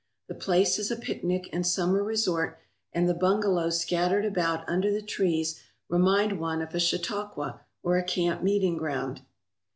The place is a picnic and summer resort and the bungalows scattered about under the trees remind one of a Chautauqua or a camp meeting ground.